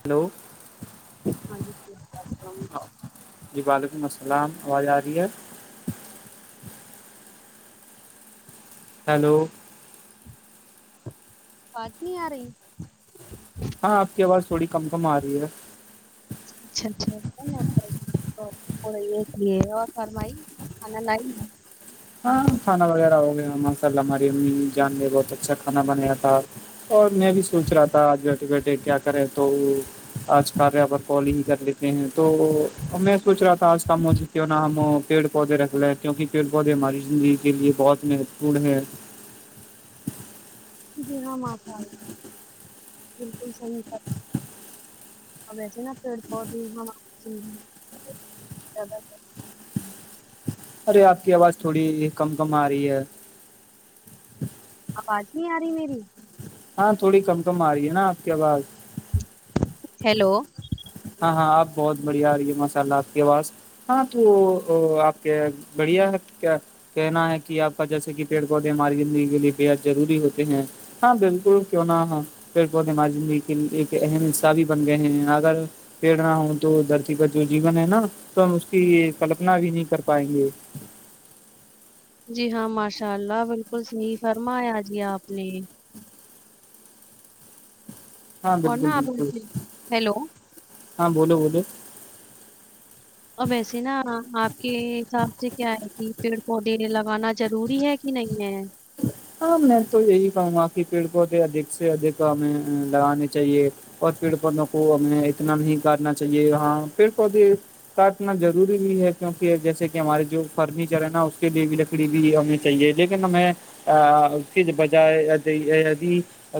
hello ہاں جی جی وعلیکم السلام آواز آ رہی ہے ہیلو پٹ نہیں آ رہی ہاں آپ کی آواز تھوڑی کم کم آ رہی ہے اچھا اچھا توی لیے اور فرمائی کانا لائی ہاں کھانا وغیرہ ہو گیا ماشاء اللہ ہماری امی جان نے بہت اچھا کھانا بنایا تھا اور میں بھی سوچ رہا تھا آج بیٹھے بیٹھے کیا کرے تو آج کاریہ پر کال ہی کر لیتے ہیں تو میں سوچ رہا تھا آج کام مجھے کیوں نہ ہم پیڑ پودے رکھ لے کیوںک پ ب ہے ہماری زندگی کے لیے بہت مہتوپورن ہے جی ہاں مال بالکل صحیح اورچے نا پیڑ پودے ہنا جی زیادہ ارے آپ کی آواز تھوڑی کم کم آ رہی ہے آواز نہیں آ رہی میری ہاں تھوڑی کم کم آ رہی ہے نا آپ کی آواز ہیلو ہاں ہاں آپ بہت بڑھیا آ رہی ہے مسالءلہ آپ کے پاس ہاں تو آپ کے بڑھیا ہے کیا کہنا ہے کہ آپ کا جیسے کہ پیڑ پودے ماری زندگی کے لیے بے حد ضروری ہوتے ہیں ہاں بالکل کیوں نہ ہاں پڑ پودے ما زندگی کے ایک اہم حصہ بھی بن گئے ہیں اگر پڑ نہنا ہ تو دھرتی کا جو جیون ہے نا تو ہم اس کی کلپنا بھی نہیں کر پائیں گے جی ہاں ماشاء اللہ بالکل صحیح فرمایا جی آپ نے ہاں اور بالکل نا آپ بالکل ویسے- ہیلو ہاں بولو بولو اور ویسے نا آپ کے حساب سے کیا ہے کہ پیڑ پودے لگانا ضروری ہے کہ نہیں ہے ہ ہاں میں تو یہی کہوں گا کہ پیڑ کو بھی ادھک سے ادک ہمیں لگانے چاہیے اور پیڑ پودوں کو ہمیں اتنا نہیں کرنا چاہیے ہاں پیڑ پودے کاٹنا ضوری بھی ہے کیونکہ جیسے کہ ہمارے جو فرنیچر ہے نا اس کے لیے بھی لکی بھی ہمیں چاہیے لیکن ہمیں اس کے بجائے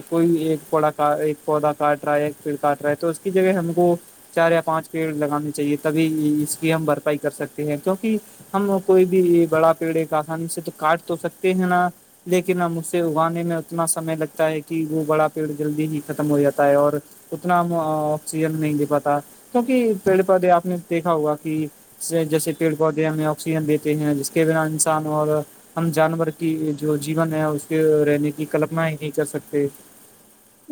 کوئی ایک پڑا ایک پودا کاٹ رہا ہے ایک پیڑ کاٹ رہا ہے تو اس کی جگہ ہم کو چار یا پانچ پیڑ لگانے چاہیے تبھی اس کی ہم بھرپائی کر سکتے ہیں کیکہ ہم کوئی بھی بڑا پیڑے کا ہمانی سے تو کاٹ تو سکتے ہیں نا لیکن اب مج سے اگانے میں اتنا سمے لگتا ہے کہ وہ بڑا پیڑ جلدی ہی ختم ہو جاتا ہے اور اتنا ہم آکسیجن نہیں دے پاتا کیونک پیڑ پودے آپ نے دیکھا ہوا کہ جیسے پیڑ پودے ہمیں آکسیجن دیتے ہیں جس کے بنا انسان اور ہم جانور کی جو جیون ہے اس کے رہنے کی کلپنا ہی نہیں کر سکتے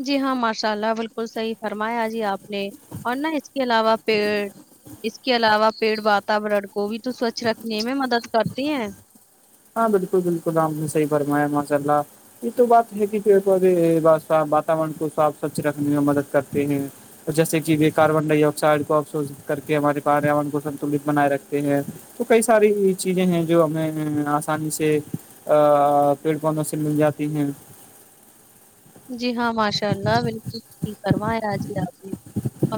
جی ہاں ماشاء اللہ بالکل صحیح فرمایا جی آپ نے اور نہ اس کے علاوہ پیڑ اس اس کے علاوہ پیڑ واتاورن کو بھی تو سوچھ رکھنے میں مدد کرتے ہیں ہاں بالکل بالکل آپ نےحی فرمایا ماشاء اللہ یہ تو بات ہے کہ پھر اھی واتورن کو صاف ستھھر رکھنے میں مدد کرتے ہیں جیسے کہ کاربن ڈائی آکسائڈ کو اپو کر کے ہمارے پرور کو سنتولت بنائے رکھتے ہیں تو کئی ساری چیزیں ہیں جو ہمیں آسانی سے پیڑ پودوں سے مل جاتی ہیں جی ہاں ماشاء اللہ بالکل فرما ہے آاج ہی آپ نے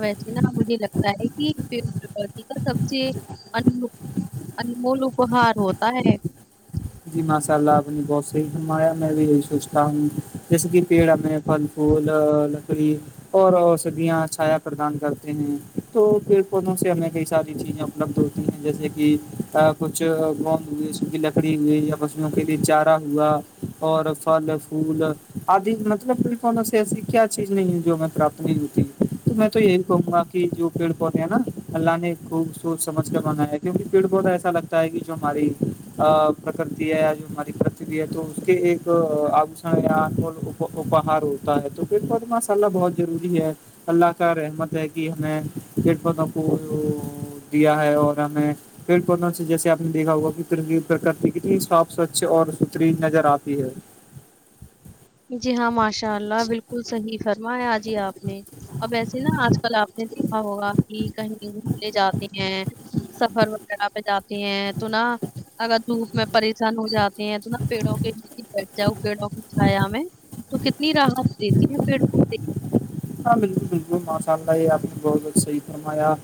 ویسے نا مجھے لگتا ہے کہ کا سب سے ان انمول اہار ہوتا ہے جی ماشاء اللہ اپنی بہت سحمایا میں بھی یہی سوچتا ہوں جیسے کہ پیڑ پ وہول نکری اور اوسدیاں چھایا پردان کرتے ہیں تو پ پودوں سے ہمیں کئی ساری چیزیں بد ہوتی ہیں جیسے کہ کچھ گو ہو کی لکٹ ہوئی یا پصلوں کے لیے چارا ہوا اور پھل فھول آدھی مطلب پ فونوں سے ایسی کیا چیز نہیں ہے جو ہم پرات نہیں ہوتی تو میں تو یہی کہوں گا کہ جو پیڑ پودے ہیں نا اللہ نے خوب سوچ سمجھ کر بنایا کیونکہ پیڑ پودا ایسا لگتا ہے کہ جو ہماری پرکرتی ہے یا جو ہماری کرکتی ہے تو اس کے ایک آبوشن ول پہار ہوتا ہے تو پھر بعد مسالہ بہت ضروری ہے اللہ کا رحمت ہے کہ ہمیں ک بتوں کو دیا ہے اور ہمیں پھر پنوں سے جیسے آپ نے دیکھا ہوا پ اتنی صاف سوچھ اور ستری نظر آتی ہے جی ہاں ماشاء اللہ بالکل صحی فرما ہے آجی آپ نے اب و ایسے نا آج کل آپ نے دیکھا ہوگا کہیں گھومنےے جاتے ہیں سفر وغیرہ پہ جاتے ہیں تو نہا اگر دھوپ میں پریشان ہو جاتے ہیں تو نہا پیڑوں کے بیٹھ جاؤ پیڑوں کی ھیا میں تو کتنی رحت دیتی ہے پھر ب ہاں بالکل بالکل ماشاء اللہ یہ آپ نے بہت بت صحی فرمایا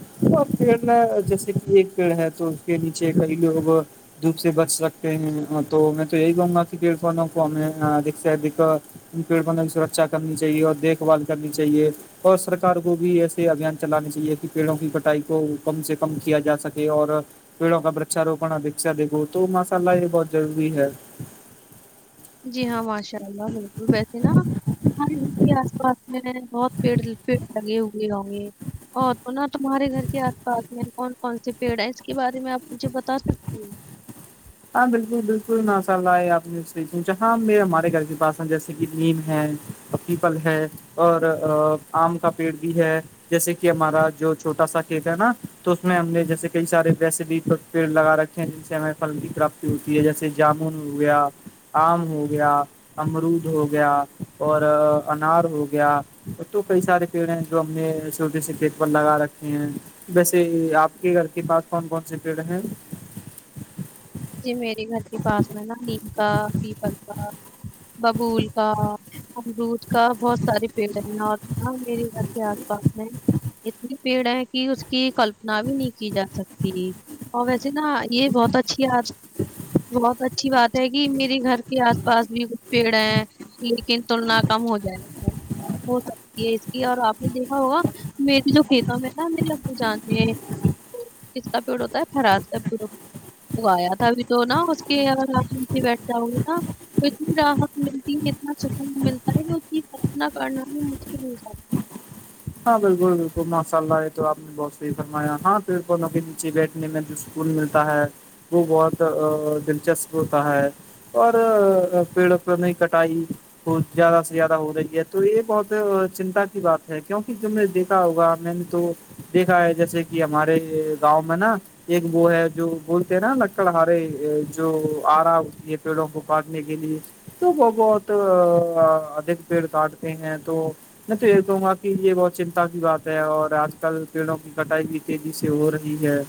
پیڑ میں جیسے کہ ایک پیڑ ہے تو اس کے نیچے کئی لوگ دھوپ سے بچ سکتے ہیں تو میں تو یہی کہوں گا کہ پیڑ فونوں کو ہمیں ادک سے ادک ان پیڑ پھوں کی سرکچا کرنی چاہیے اور دیکھ بھال کرنی چاہیے اور سرار کو بھی ایسے ابھیان چلانے چاہیے کہ پیڑوں کی کٹائی کو کم سے کم کیا جا سکے اور پیڑوں کا برچھاروپن اپیکچھا دیکھو تو ماشاللہ یہ بہت ضروری ہے جی ہاں ماشاء اللہ بالکل ویسے نا ہمارے گھر کے آس پاس میں بہت پیڑ پیڑ لگے ہوئے ہوں گے اور تو نا تمہارے گھر کے آس پاس میں کون کون سے پیڑ ہیں اس کے بارے میں آپ مجھے بتا سکتی ہیں ہاں بالکل بالکل مشا اللہ یہ آپ نے سہی پوچھا ہاں ہمارے گھر کے پاس جیسے کہ نیم ہے پیپل ہے اور آم کا پیڑ بھی ہے جیسے کہ ہمارا جو چھوٹا سا کھیت ہے نا تو اس میں ہم نے جیسے کئی سارے ویسے بھی پھر لگا رکھے ہیں جن سے ہمیں پھل کی کراپتی ہوتی ہے جیسے جامن ہو گیا آم ہو گیا امرود ہو گیا اور انار ہو گیا اور تو کئی سارے پیڑ ہیں جو ہم نے چھوٹے سے پھیت پر لگا رکھے ہیں ویسے آپ کے گھر کے پاس کون کون سے پیڑ ہیں میرے گھر کے پاس میں نا نیم کا پیپل کا ببول کا امرود کا بہت سارے پیڑ ہیں اوراں میرے یہاں کے آس پاس میں اتنی پیڑ ہے کہ اس کی کلپنا بھی نہیں کی جا سکتی اور ویسے نا یہ بہت اچھی آ بہت اچھی بات ہے کہ میرے گھر کے آس پاس بھی کچھ پیڑ ہیں لیکن تلنا کم ہو جائے ہو سکتی ہے اس کی اور آپ نے دیکھا ہوگا میرری جو کھیتوں میں نا میرے ابو جان نے کس کا پیڑ ہوتا ہے پرات کا پڑ اگایا تبھی تو نا اس کے [inaudible] بیٹھتا ہا نا اتنی راحت ملتی ہے اتنا سکون ملتا ہے کہ اس کی کپنا کرنا بھی مشکل ہو جاتی ہاں بالکل بالکل ماشاء اللہ یہ تو آپ نے بہت صحیح فرمایا ہاں پھروں کے نیچے لی سنے میں جو سکون ملتا ہے وہ بہت دلچسپ ہوتا ہے اور پیڑ پڑوں نے کٹائی زیادہ سے زیادہ ہو رہی ہے تو یہ بہت چنتا کی بات ہے کیوں تم نے دیکھا ہوگا میں نے تو دیکھا ہے جیسے کہ ہمارے گاؤں میں نا ایک وہ ہے جو گڑتے ہیں نا لکڑ ہارے جو آ رہاتی ہے پیڑوں کو کاٹنے کے لیے تو وہ بہت ادھک پیڑ کاٹتے ہیں تو میں پیر دوں گا یہ بہت چنتا کی بات ہے اور آج کل پیڑوں کی کٹائی بھی تیزی سے ہو رہی ہے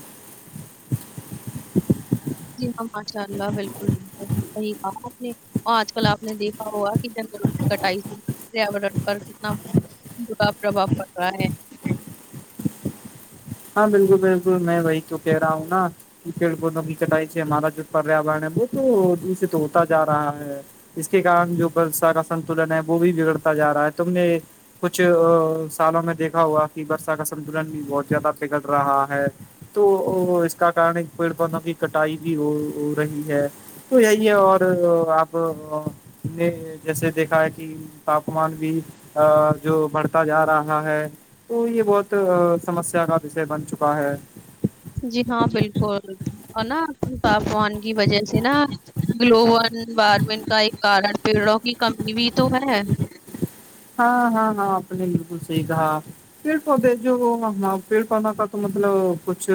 جی ہاں ماشاء اللہ بالکل بالکل صحیح کہا اپ نے آج کل آپ نے دیکھا ہوگا کہ جنگلوں کی کٹائی سے [inaudible] پر کتنا برا پربھاو پڑ رہا ہے ہاں بالکل بالکل میں وہی تووں کہہ رہا ہوں نا پیڑ پودوں کی کٹائی سے ہمارا جو پریاورن ہے وہ تو دور سے تو ہوتا جا رہا ہے اس کے کارن جو پرسا کا سنتولن ہے وہ بھی بگڑتا جا رہا ہے تم نے کچھ سالوں میں دیکھا ہوا کہ برسہ کا سنتلن بھی بہت زیادہ بگڑ رہا ہے تو اس کا کن پیڑ پودوں کی کٹائی بھی ہو رہی ہے تو یہی ہے اور آپ نے جیسے دیکھا ہے کہ تاپمان بھی جو بڑھتا جا رہا ہے تو یہ بہت سمسیا کا وشے بن چکا ہے جی ہاں بالکل اور نا تاپمان کی وجہ سے نا گلوبل وارمنگ کا ایک کارن پیڑوں کی کمی بھی تو ہے ہاں ہاں ہاں اپ نے بالکل صحیح کہا پیڑ پودے جو پیڑ پودے کا تو مطلب کچھ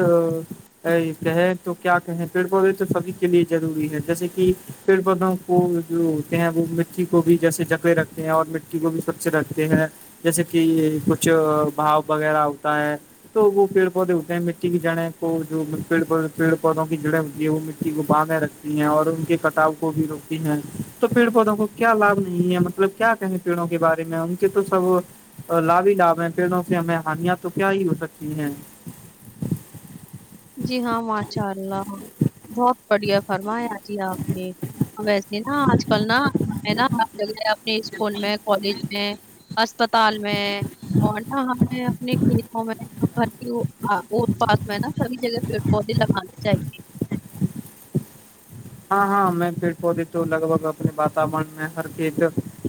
کہے تو کیا کہیں پیڑ پودے تو سبھی کے لیے ضروری ہے جیسے کہ پیڑ پودوں وہ جو ہوتے ہیں وہ مٹی کو بھی جیسے جگے رکھتے ہیں اور مٹی کو بھی سوچھ رکھتے ہیں جیسے کہ کچھ بھاؤ وغیرہ ہوتا ہے تو وہ پیڑ پودے ہوتے ہیں مٹی کی جڑیں کو جو پڑ پیڑ پودوں کی جڑیں ہوتی ہے وہ مٹی کو باندھ میں رکھ اور ان کے کٹاؤ کو بھی روکتی ہیں تو پیڑ پودوں کو کیا لابھ نہیں ہے مطلب کیا کہیں پیڑوں کے بارے ان کے تو سب لابھ ہی لابھ ہیں پیڑوں سے ہمیں ہانیاں تو کیا ہی ہو سکتی ہیں جی ہاں ماشاء اللہ بہت بڑھیا فرمایا جی آپ نے ویسے نا آج کل نا ہے نا ہر جگہ اپنے اسکول میں کالج اسپتال میں اور نہ ہمیں اپنے کلینکوں میں گھر کی ا پاس میں نا سبھی جگہ پیڑ پودے لگانے چاہیے ہاں ہاں میں پیڑ پودے تو لگ بھگ اپنے واتاورن میں ہر چیز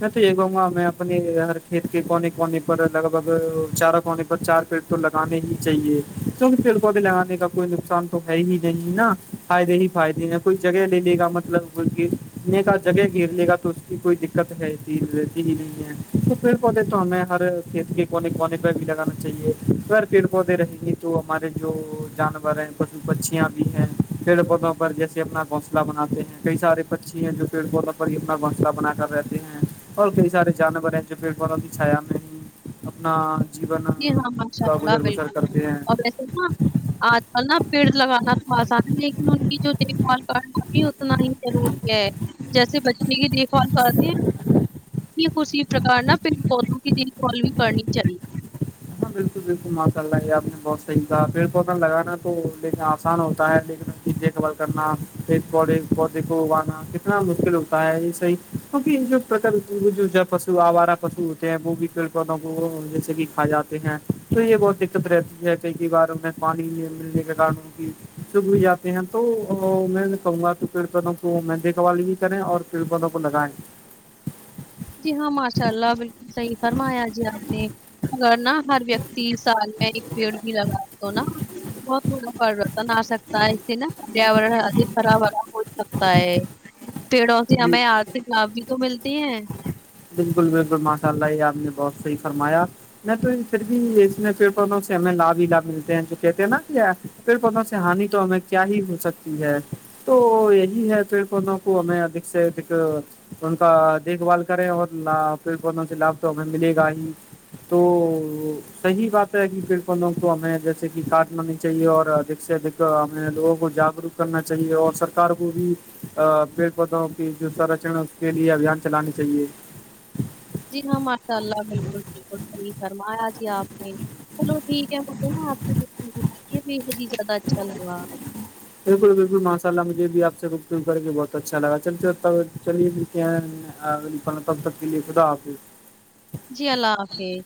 میں تو یہ کہوں گا میں اپنی ہر کھیت کے کونے کونے پر لگ بگ چاروں کونے پر چار پیٹ تو ل لگانے ہی چاہیے کیکہ پیڑ پودے لگانے کا کوئی نقصان تو ہے ہی نہیں نا فائدے ہی فائد ہیں کوئی جگہ لے لے گا مطلب کو گرنے کا جگہ گھیر لے گا تو اس کی کوئی دقت ہے چز رہتی ہی نہیں ہے تو پھر پتے تو ہمیں ہر کھیت کے کونے کونے پر بھی لگانا چاہیے پیڑ پودے رہیں گی تو ہمارے جو جانور ہیں پشو پکھیاں بھی ہیں پیڑ پودوں پر جیسے اپنا گھونسلہ بناتے ہیں کئی سارے پکچھی ہیں جو پیڑ پودوں پر ہی اپنا گھونسلا بنا کر رہتے ہیں اور کئی سارے جانور ہیں جو پیڑ والوں کی چھایا میں ہی اپنا جین جی ہاں، ماشاء کا اللہ گزر بسر بالکل کرتے ہیں اور ویسے نا آج کل نا پیڑ لگانا تو آسان ہے لیکن ان کی جو دیکھ بھال کرنا بھی اتنا ہی ضروری ہے جیسے بچے کی دیک کال کرتے ہیں اسی پرکار ن پوں کے لین کال بھی کرنی چاہیے بالکل بالکل ماشاء اللہ یہ آپ نے بہت صحیح کہا پیڑ پودا لگانا تو لیکن آسان ہوتا ہے لیکن اب دیک ال کرنا پ بی بڈی کو اگانا کتنا مشکل ہوگتا ہے یہس ہی کیکہ جوکل پو آوارہ پشو ہوتے ہیں وہ بھی پیڑ پودوں کو جیسے کہ کھا جاتا تو یہ بہت دقت رہتی ہے کئی کئی بار میں پانی ملنے کے کارن ان کی چب بھی جاتے ہیں تو میں کہوں گا کہ پڑتوں کو میں دیکھ بال بھی کریں اور تپندوں کو لگائیں جی ہاں ماشاء اللہ بالکل صحیح فرمایا جی آپ نے اگر نہا ہر ویک تیس سال میں ایک پیڑ بھی لگاتا ہ نا بہت بڑا پرریورتن آ سکتا ہے اس سے نا پریاورن ادک خراب ہراب ہو سکتا ہے پیڑوں سے ہمیں آرتھک لابھ بھی تو ملتی ہیں بالکل بالکل ماشاء اللہ یہ آپ نے بہت صحیح فرمایا میں تو پھر بھی اس میں پیڑ پوں سے ہمیں لابھ ہی لابھ ملتے ہیں جو کہتے ہیں نا کیا پھر پتوں سے ہانی تو ہمیں کیا ہی ہو سکتی ہے تو یہی ہے پھر دونوں کو ہمیں ادھک سے اک ان کا دیکھ بھال کریں اور ل پ بوں سے لابھ تو ہمیں ملے گا ہی تو صحیح بات ہے کہ پڑکنوں کو ہمیں جیسے کہ کاٹ لانی چاہیے اور ادک سے اھ ہمیں لوگوں کو جاگروک کرنا چاہیے اور سرک کو بھی ا پیڑ پودوں کی جو سرچن ہے اس کے لیے ابھیان چلانانی چاہیے جی ہاں ماشاء اللہ بالکل بالکل صحیح فرمایا جی آپ نے چلو ٹھیک ہے مے آپ ب ہی زیادہ اچھا لگا بالکل بالکل ماشاء اللہ مجھے بھی آپ سے رک رک کر کے بہت اچھا لگا چل چلیے کیا تب تک کے لیے خدا حافظ جی اللہ حافظ